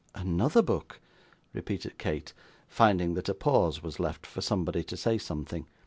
'Another book!' repeated Kate, finding that a pause was left for somebody to say something.